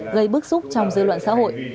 gây bức xúc trong dưới loạn xã hội